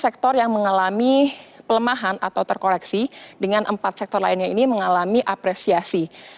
sektor yang mengalami kelemahan atau terkoreksi dengan empat sektor lainnya ini mengalami apresiasi